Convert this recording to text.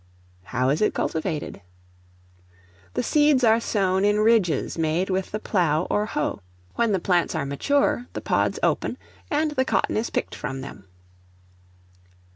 How is it cultivated? The seeds are sown in ridges made with the plough or hoe; when the plants are mature, the pods open, and the cotton is picked from them.